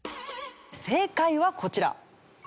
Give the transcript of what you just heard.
正解はこちら。